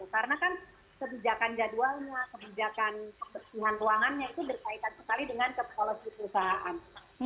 karena kan kebijakan jadwalnya kebijakan pembensihan ruangannya itu berkaitan sekali dengan kepolosan perusahaan